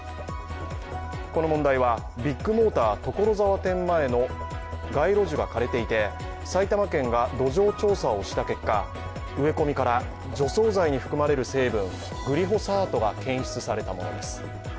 この問題はビッグモーター所沢店前の街路樹が枯れていて埼玉県が土壌調査をした結果植え込みから除草剤に含まれる成分グリホサートが検出されたものです。